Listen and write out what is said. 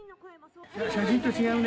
写真と違うね。